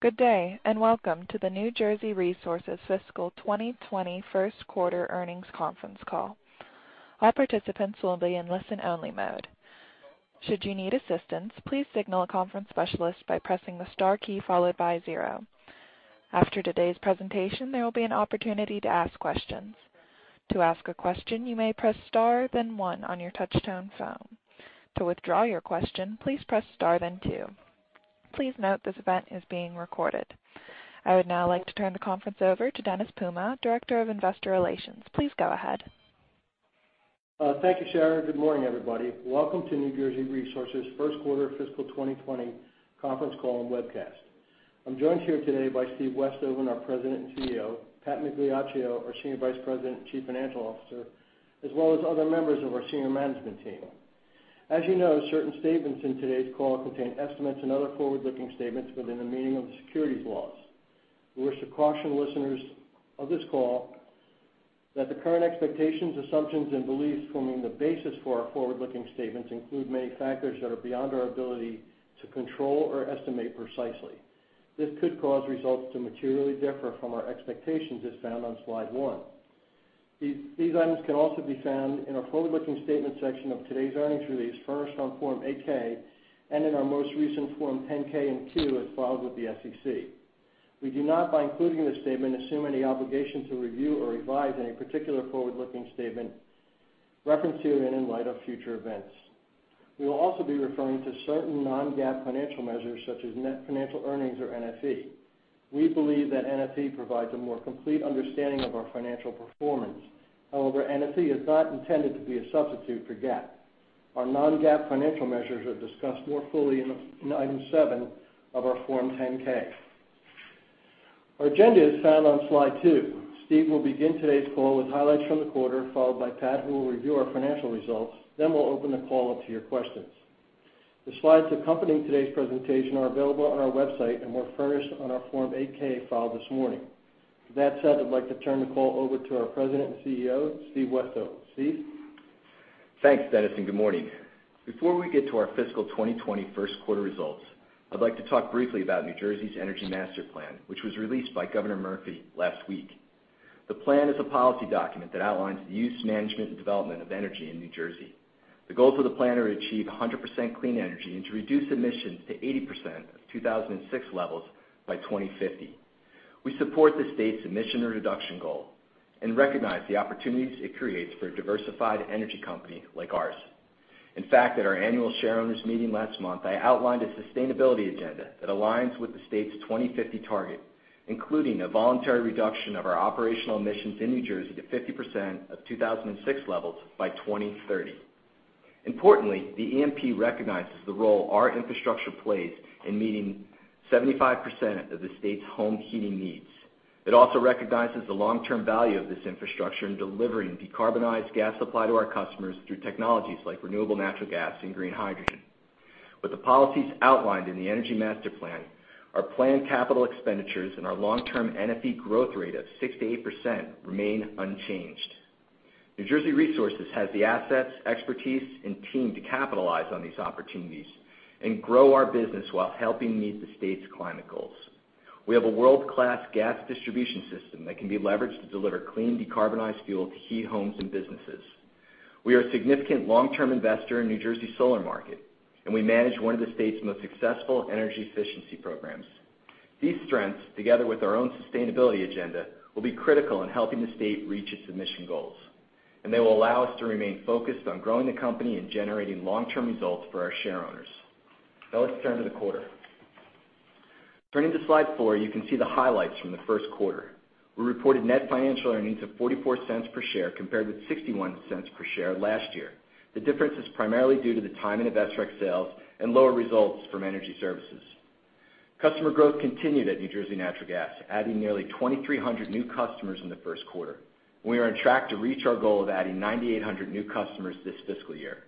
Good day. Welcome to the New Jersey Resources Fiscal 2020 First Quarter Earnings Conference Call. All participants will be in listen only mode. Should you need assistance, please signal a conference specialist by pressing the star key followed by zero. After today's presentation, there will be an opportunity to ask questions. To ask a question, you may press star then one on your touch tone phone. To withdraw your question, please press star then two. Please note this event is being recorded. I would now like to turn the conference over to Dennis Puma, Director of Investor Relations. Please go ahead. Thank you, Sharon. Good morning, everybody. Welcome to New Jersey Resources' First Quarter Fiscal 2020 Conference Call and Webcast. I'm joined here today by Steve Westhoven, our President and CEO, Pat Migliaccio, our Senior Vice President and Chief Financial Officer, as well as other members of our senior management team. As you know, certain statements in today's call contain estimates and other forward-looking statements within the meaning of the securities laws. We wish to caution listeners of this call that the current expectations, assumptions, and beliefs forming the basis for our forward-looking statements include many factors that are beyond our ability to control or estimate precisely. This could cause results to materially differ from our expectations, as found on slide one. These items can also be found in our forward-looking statements section of today's earnings release, furnished on Form 8-K, and in our most recent Form 10-K and Q, as filed with the SEC. We do not, by including this statement, assume any obligation to review or revise any particular forward-looking statement referenced herein in light of future events. We will also be referring to certain non-GAAP financial measures, such as net financial earnings, or NFE. We believe that NFE provides a more complete understanding of our financial performance. However, NFE is not intended to be a substitute for GAAP. Our non-GAAP financial measures are discussed more fully in item seven of our Form 10-K. Our agenda is found on slide two. Steve will begin today's call with highlights from the quarter, followed by Pat, who will review our financial results. We'll open the call up to your questions. The slides accompanying today's presentation are available on our website and were furnished on our Form 8-K filed this morning. With that said, I'd like to turn the call over to our President and CEO, Steve Westhoven. Steve? Thanks, Dennis, and good morning. Before we get to our fiscal 2020 first quarter results, I'd like to talk briefly about New Jersey's Energy Master Plan, which was released by Governor Murphy last week. The plan is a policy document that outlines the use, management, and development of energy in New Jersey. The goals of the plan are to achieve 100% clean energy and to reduce emissions to 80% of 2006 levels by 2050. We support the state's emission reduction goal and recognize the opportunities it creates for a diversified energy company like ours. In fact, at our annual shareowners meeting last month, I outlined a sustainability agenda that aligns with the state's 2050 target, including a voluntary reduction of our operational emissions in New Jersey to 50% of 2006 levels by 2030. Importantly, the EMP recognizes the role our infrastructure plays in meeting 75% of the state's home heating needs. It also recognizes the long-term value of this infrastructure in delivering decarbonized gas supply to our customers through technologies like renewable natural gas and green hydrogen. With the policies outlined in the Energy Master Plan, our planned capital expenditures and our long-term NFE growth rate of 6%-8% remain unchanged. New Jersey Resources has the assets, expertise, and team to capitalize on these opportunities and grow our business while helping meet the state's climate goals. We have a world-class gas distribution system that can be leveraged to deliver clean, decarbonized fuel to heat homes and businesses. We are a significant long-term investor in New Jersey's solar market, and we manage one of the state's most successful energy efficiency programs. These strengths, together with our own sustainability agenda, will be critical in helping the state reach its emission goals, and they will allow us to remain focused on growing the company and generating long-term results for our shareowners. Let's turn to the quarter. Turning to slide four, you can see the highlights from the first quarter. We reported net financial earnings of $0.44 per share, compared with $0.61 per share last year. The difference is primarily due to the timing of SREC sales and lower results from energy services. Customer growth continued at New Jersey Natural Gas, adding nearly 2,300 new customers in the first quarter, and we are on track to reach our goal of adding 9,800 new customers this fiscal year.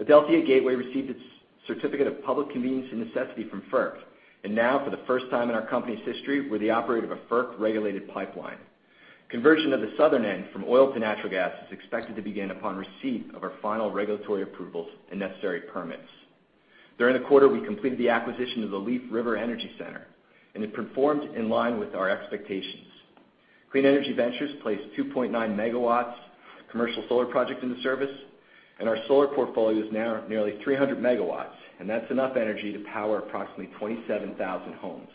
Adelphia Gateway received its Certificate of Public Convenience and Necessity from FERC, now, for the first time in our company's history, we're the operator of a FERC-regulated pipeline. Conversion of the southern end from oil to natural gas is expected to begin upon receipt of our final regulatory approvals and necessary permits. During the quarter, we completed the acquisition of the Leaf River Energy Center, and it performed in line with our expectations. Clean Energy Ventures placed a 2.9 MW commercial solar project into service, and our solar portfolio is now nearly 300 MW, and that's enough energy to power approximately 27,000 homes.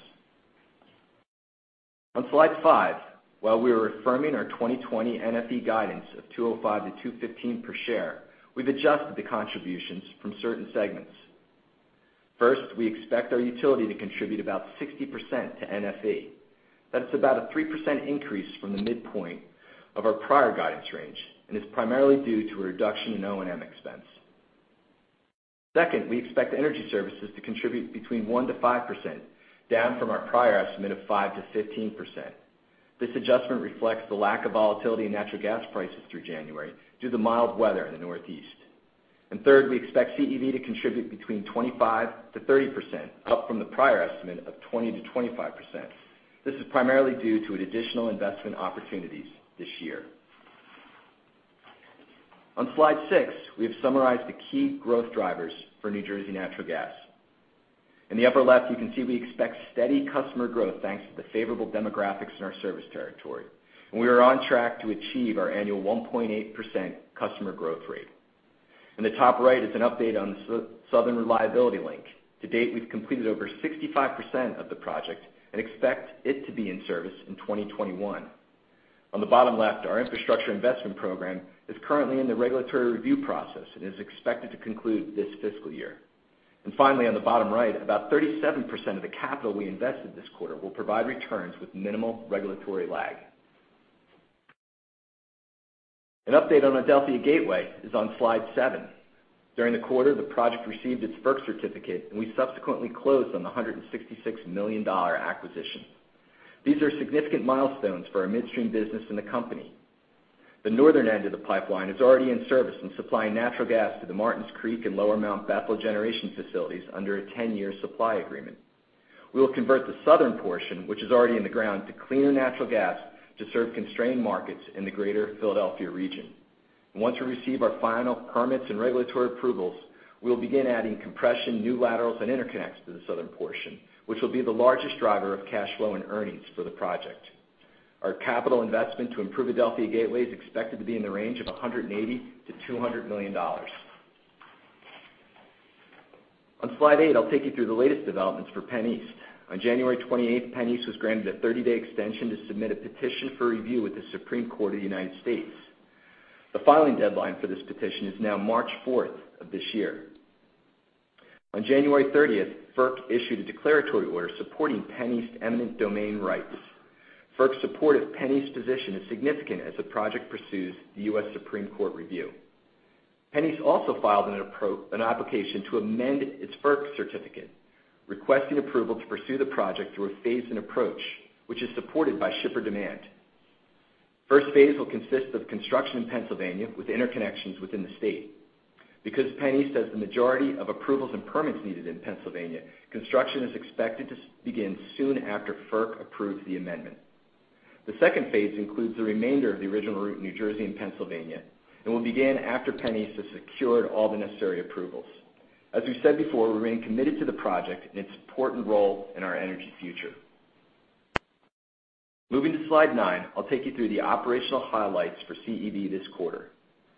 On slide five, while we are affirming our 2020 NFE guidance of $2.05-$2.15 per share, we've adjusted the contributions from certain segments. First, we expect our utility to contribute about 60% to NFE. That's about a 3% increase from the midpoint of our prior guidance range and is primarily due to a reduction in O&M expense. Second, we expect Energy Services to contribute between 1%-5%, down from our prior estimate of 5%-15%. This adjustment reflects the lack of volatility in natural gas prices through January due to mild weather in the Northeast. Third, we expect CEV to contribute between 25%-30%, up from the prior estimate of 20%-25%. This is primarily due to additional investment opportunities this year. On slide six, we have summarized the key growth drivers for New Jersey Natural Gas. In the upper left, you can see we expect steady customer growth thanks to the favorable demographics in our service territory. We are on track to achieve our annual 1.8% customer growth rate. In the top right is an update on the Southern Reliability Link. To date, we've completed over 65% of the project and expect it to be in service in 2021. On the bottom left, our infrastructure investment program is currently in the regulatory review process and is expected to conclude this fiscal year. Finally, on the bottom right, about 37% of the capital we invested this quarter will provide returns with minimal regulatory lag. An update on Adelphia Gateway is on slide seven. During the quarter, the project received its FERC certificate, and we subsequently closed on the $166 million acquisition. These are significant milestones for our midstream business and the company. The northern end of the pipeline is already in service and supplying natural gas to the Martins Creek and Lower Mount Bethel generation facilities under a 10-year supply agreement. We will convert the southern portion, which is already in the ground, to cleaner natural gas to serve constrained markets in the greater Philadelphia region. Once we receive our final permits and regulatory approvals, we will begin adding compression, new laterals, and interconnects to the southern portion, which will be the largest driver of cash flow and earnings for the project. Our capital investment to improve Adelphia Gateway is expected to be in the range of $180 million-$200 million. On slide eight, I'll take you through the latest developments for PennEast. On January 28th, PennEast was granted a 30-day extension to submit a petition for review with the Supreme Court of the United States. The filing deadline for this petition is now March 4th of this year. On January 30th, FERC issued a declaratory order supporting PennEast eminent domain rights. FERC's support of PennEast position is significant as the project pursues the U.S. Supreme Court review. PennEast also filed an application to amend its FERC certificate, requesting approval to pursue the project through a phase-in approach, which is supported by shipper demand. First phase will consist of construction in Pennsylvania with interconnections within the state. Because PennEast has the majority of approvals and permits needed in Pennsylvania, construction is expected to begin soon after FERC approves the amendment. The second phase includes the remainder of the original route in New Jersey and Pennsylvania and will begin after PennEast has secured all the necessary approvals. As we've said before, we remain committed to the project and its important role in our energy future. Moving to slide nine, I'll take you through the operational highlights for CEV this quarter.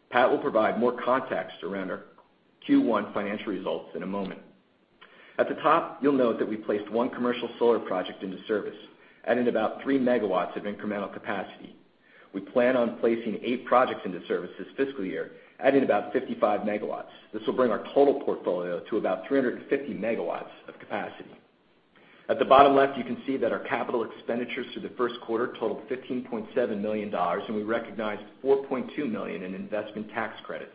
Pat will provide more context around our Q1 financial results in a moment. At the top, you'll note that we placed one commercial solar project into service, adding about 3 MW of incremental capacity. We plan on placing eight projects into service this fiscal year, adding about 55 MW. This will bring our total portfolio to about 350 MW of capacity. At the bottom left, you can see that our capital expenditures through the first quarter totaled $15.7 million, and we recognized $4.2 million in investment tax credits.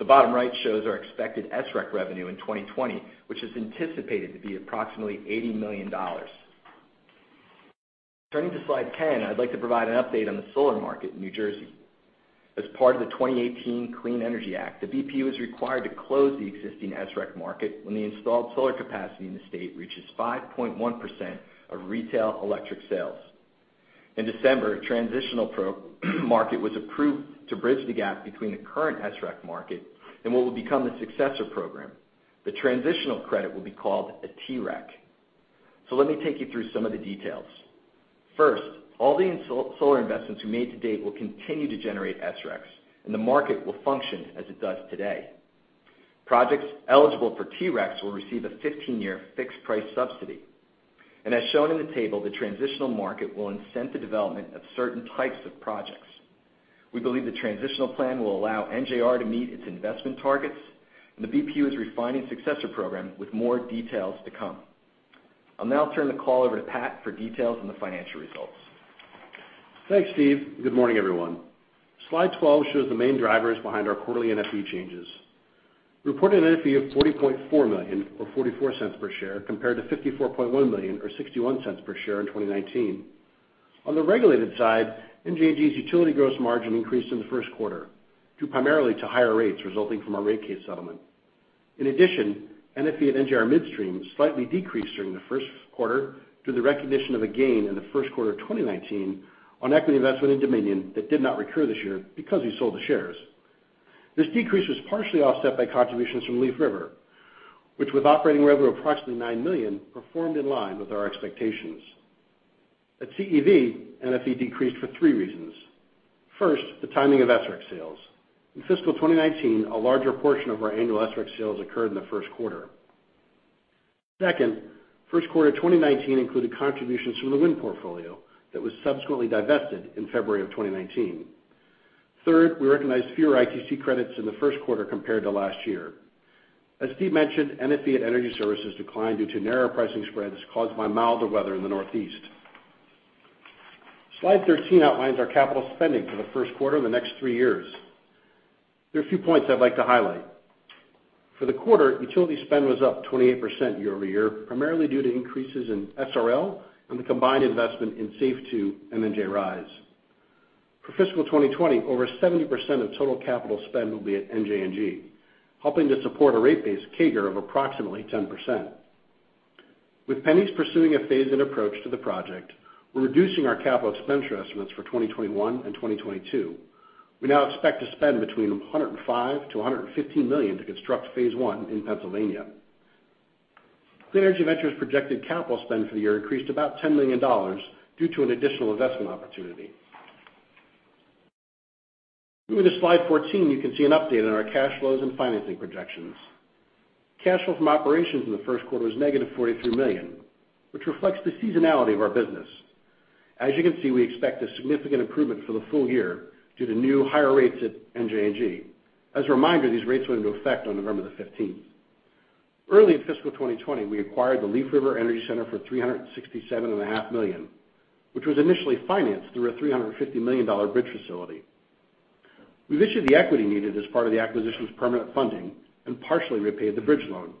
The bottom right shows our expected SREC revenue in 2020, which is anticipated to be approximately $80 million. Turning to slide 10, I'd like to provide an update on the solar market in New Jersey. As part of the 2018 Clean Energy Act, the BPU is required to close the existing SREC market when the installed solar capacity in the state reaches 5.1% of retail electric sales. In December, a transitional market was approved to bridge the gap between the current SREC market and what will become the successor program. The transitional credit will be called a TREC. Let me take you through some of the details. First, all the solar investments we made to date will continue to generate SRECs, and the market will function as it does today. Projects eligible for TRECs will receive a 15-year fixed price subsidy. As shown in the table, the transitional market will incent the development of certain types of projects. We believe the transitional plan will allow NJR to meet its investment targets, and the BPU is refining successor program with more details to come. I'll now turn the call over to Pat for details on the financial results. Thanks, Steve. Good morning, everyone. Slide 12 shows the main drivers behind our quarterly NFE changes. Reported NFE of $40.4 million or $0.44 per share compared to $54.1 million or $0.61 per share in 2019. On the regulated side, NJNG's utility gross margin increased in the first quarter, due primarily to higher rates resulting from our rate case settlement. In addition, NFE at NJR Midstream slightly decreased during the first quarter due to the recognition of a gain in the first quarter of 2019 on equity investment in Dominion that did not recur this year because we sold the shares. This decrease was partially offset by contributions from Leaf River, which with operating revenue of approximately $9 million, performed in line with our expectations. At CEV, NFE decreased for three reasons. First, the timing of SREC sales. In fiscal 2019, a larger portion of our annual SREC sales occurred in the first quarter. Second, first quarter 2019 included contributions from the wind portfolio that was subsequently divested in February of 2019. Third, we recognized fewer ITC credits in the first quarter compared to last year. As Steve mentioned, NFE at Energy Services declined due to narrower pricing spreads caused by milder weather in the Northeast. Slide 13 outlines our capital spending for the first quarter and the next three years. There are a few points I'd like to highlight. For the quarter, utility spend was up 28% year-over-year, primarily due to increases in SRL and the combined investment in SAFE II and NJ RISE. For fiscal 2020, over 70% of total capital spend will be at NJNG, helping to support a rate base CAGR of approximately 10%.With PennEast pursuing a phase-in approach to the project, we're reducing our capital expenditure estimates for 2021 and 2022. We now expect to spend between $105 million-$115 million to construct phase one in Pennsylvania. Clean Energy Ventures' projected capital spend for the year increased about $10 million due to an additional investment opportunity. Moving to slide 14, you can see an update on our cash flows and financing projections. Cash flow from operations in the first quarter was -$43 million, which reflects the seasonality of our business. As you can see, we expect a significant improvement for the full year due to new higher rates at NJNG. As a reminder, these rates went into effect on November the 15th. Early in fiscal 2020, we acquired the Leaf River Energy Center for $367.5 million, which was initially financed through a $350 million bridge facility. We've issued the equity needed as part of the acquisition's permanent funding and partially repaid the bridge loan.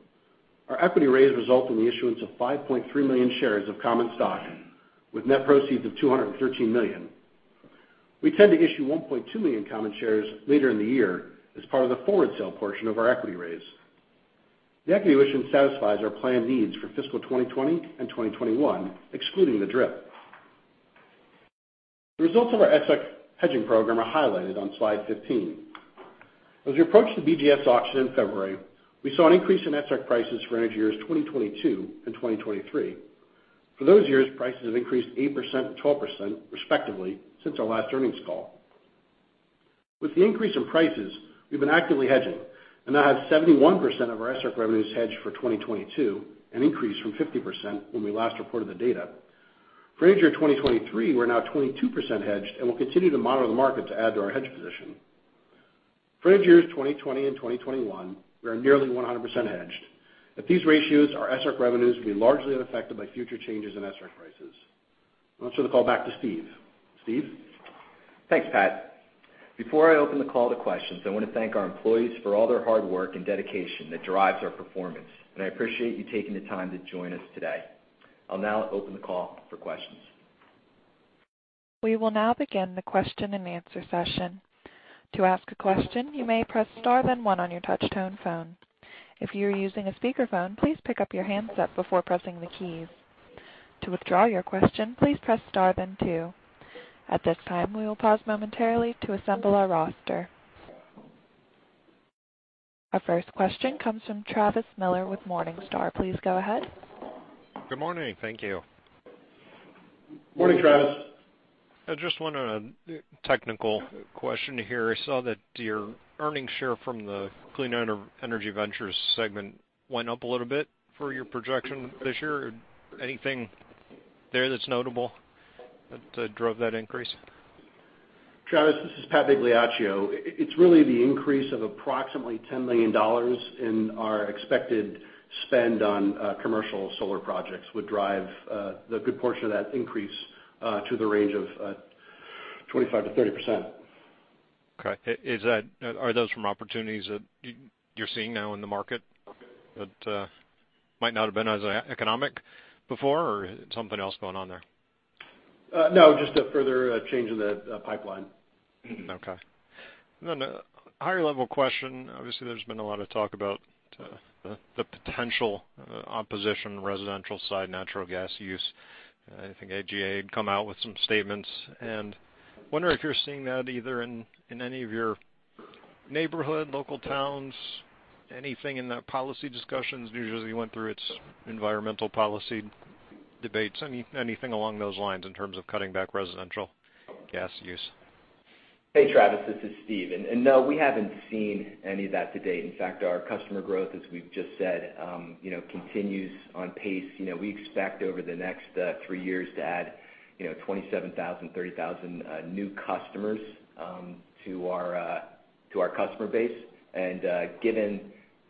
Our equity raise resulted in the issuance of 5.3 million shares of common stock with net proceeds of $213 million. We intend to issue 1.2 million common shares later in the year as part of the forward sale portion of our equity raise. The equity issuance satisfies our planned needs for fiscal 2020 and 2021, excluding the DRIP. The results of our SREC hedging program are highlighted on slide 15. As we approached the BGS auction in February, we saw an increase in SREC prices for energy years 2022 and 2023. For those years, prices have increased 8% and 12%, respectively, since our last earnings call. With the increase in prices, we've been actively hedging and now have 71% of our SREC revenues hedged for 2022, an increase from 50% when we last reported the data. For energy year 2023, we're now 22% hedged and will continue to monitor the market to add to our hedge position. For energy years 2020 and 2021, we are nearly 100% hedged. At these ratios, our SREC revenues will be largely unaffected by future changes in SREC prices. I'll turn the call back to Steve. Steve? Thanks, Pat. Before I open the call to questions, I want to thank our employees for all their hard work and dedication that drives our performance. I appreciate you taking the time to join us today. I'll now open the call for questions. We will now begin the question-and-answer session. To ask a question, you may press star then one on your touch-tone phone. If you are using a speakerphone, please pick up your handset before pressing the keys. To withdraw your question, please press star then two. At this time, we will pause momentarily to assemble our roster. Our first question comes from Travis Miller with Morningstar. Please go ahead. Good morning. Thank you. Morning, Travis. I just wanted a technical question here. I saw that your earnings share from the Clean Energy Ventures segment went up a little bit for your projection this year. Anything there that's notable that drove that increase? Travis, this is Pat Migliaccio. It's really the increase of approximately $10 million in our expected spend on commercial solar projects would drive the good portion of that increase to the range of 25%-30%. Are those from opportunities that you're seeing now in the market that might not have been as economic before, or something else going on there? No, just a further change in the pipeline. Okay. A higher-level question. Obviously, there's been a lot of talk about the potential opposition residential-side natural gas use. I think AGA had come out with some statements. Wondering if you're seeing that either in any of your neighborhood, local towns, anything in the policy discussions. Usually went through its environmental policy debates. Anything along those lines in terms of cutting back residential gas use? Hey, Travis, this is Steve. No, we haven't seen any of that to date. In fact, our customer growth, as we've just said, continues on pace. We expect over the next three years to add 27,000-30,000 new customers to our customer base. Given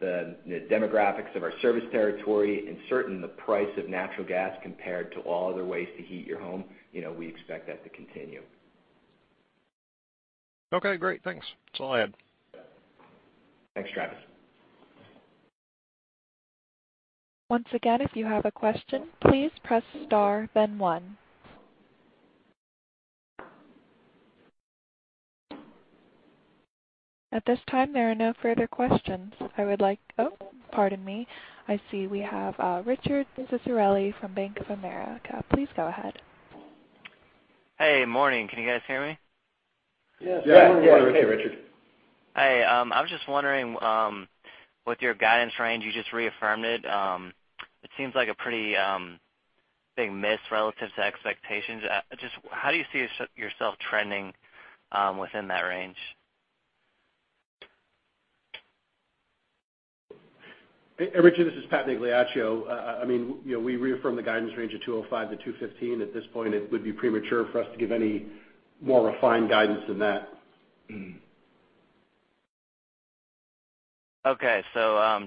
the demographics of our service territory and certain, the price of natural gas compared to all other ways to heat your home, we expect that to continue. Okay, great. Thanks. That's all I had. Thanks, Travis. We have Richard Sunderland from JPMorgan. Please go ahead. Hey, morning. Can you guys hear me? Yes. Good morning. Yeah. Hey, Richard. Hi. I was just wondering, with your guidance range, you just reaffirmed it. It seems like a pretty big miss relative to expectations. Just how do you see yourself trending within that range? Hey, Richard, this is Pat Migliaccio. We reaffirmed the guidance range of $2.05-$2.15. At this point, it would be premature for us to give any more refined guidance than that.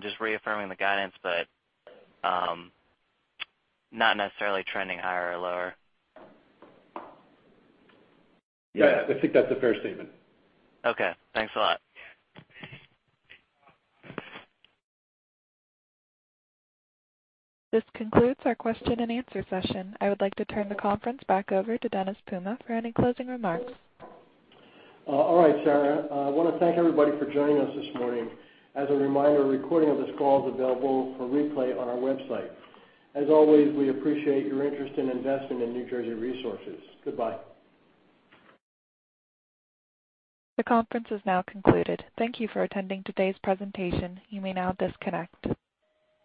Just reaffirming the guidance, but not necessarily trending higher or lower. Yeah, I think that's a fair statement. Okay. Thanks a lot. This concludes our question-and-answer session. I would like to turn the conference back over to Dennis Puma for any closing remarks. All right, Sharon. I want to thank everybody for joining us this morning. As a reminder, a recording of this call is available for replay on our website. As always, we appreciate your interest in investing in New Jersey Resources. Goodbye. The conference is now concluded. Thank you for attending today's presentation. You may now disconnect.